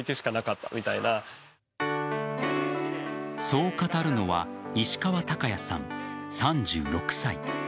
そう語るのは石川貴也さん、３６歳。